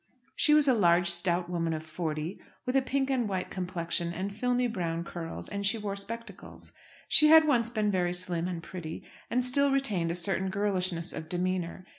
She was a large stout woman of forty, with a pink and white complexion and filmy brown curls; and she wore spectacles. She had once been very slim and pretty, and still retained a certain girlishness of demeanour.